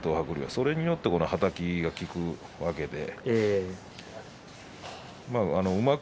それによってはたきが効くわけで。